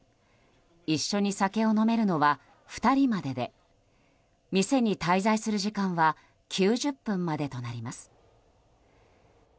一緒に酒を飲めるのは２人までで店に滞在する時間は９０分までとなります。